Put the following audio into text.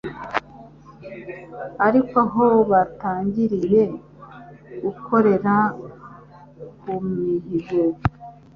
ariko aho batangiriye gukorera ku mihigo,